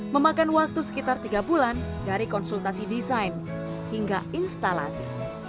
memakan waktu sekitar tiga bulan dari konsultasi desain hingga instalasi